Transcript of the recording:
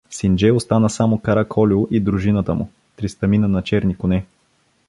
С Индже остана само Кара Колю и дружината му — тристамина на черни коне.